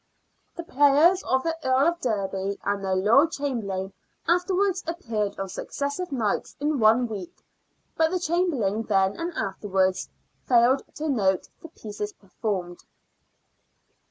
The players of the Earl of Derby and the Lord Chamber lain afterwards appeared on successive nights in one week, but the Chamberlain, then and afterwards, failed to note the pieces performed.